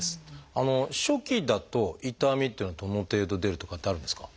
初期だと痛みっていうのはどの程度出るとかってあるんですか？